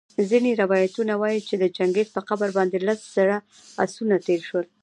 ځیني روایتونه وايي چي د چنګیز په قبر باندي لس زره آسونه تېرسول